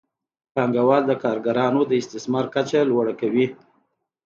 پانګوال د کارګرانو د استثمار کچه لوړه کوي